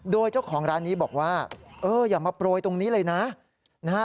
โดยเจ้าของร้านนี้บอกว่าเอออย่ามาโปรยตรงนี้เลยนะนะฮะ